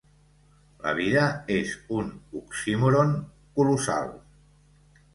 La vida és un oxímoron colossal.